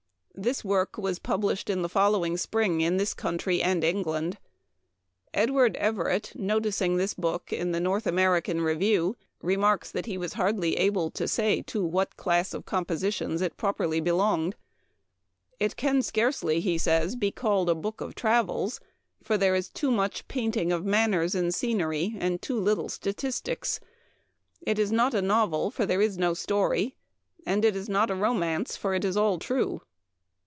This work was published in the following spring in this country and England. Edward Everett, noticing this book in the North American Re view, remarks that he was hardly able to say to what class of compositions it properly belonged. " It can scarcely," he says, " be called a book of travels, for there is too much painting of man ners and scenery, and too little statistics ; it is not a novel, for there is no story ; and it is not a romance, for it is all true.